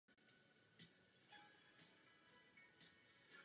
Všeobecným zásadním problémem zemědělství jsou nízké příjmy zemědělců.